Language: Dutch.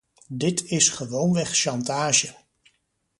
Dit is gewoonweg chantage.